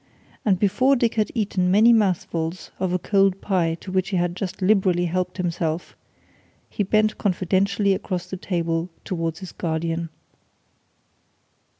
And before Dick had eaten many mouthfuls of a cold pie to which he had just liberally helped himself he bent confidentially across the table towards his guardian.